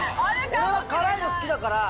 俺は辛いの好きだから。